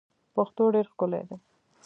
پښتو ډیر ښکلی دی.